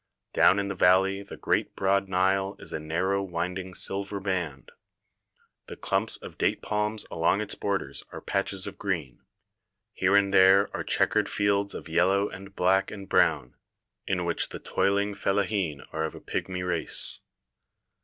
Down in the valley the great broad Nile is a narrow winding silver band; the clumps of date palms along its borders are patches of green. Here and there are checkered fields of yellow and black and brown, in which the toiling fellahin are of a pigmy race.